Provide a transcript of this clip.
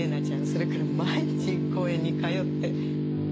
それから毎日公園に通って。